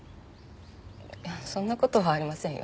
いやそんな事はありませんよ。